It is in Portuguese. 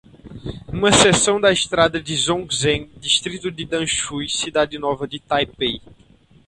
Uma seção da estrada de Zhongzheng, distrito de Danshui, cidade nova de Taipei